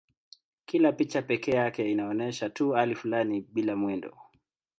Kila picha pekee yake inaonyesha tu hali fulani bila mwendo.